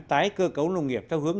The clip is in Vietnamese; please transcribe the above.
tái cơ cấu nông nghiệp theo hướng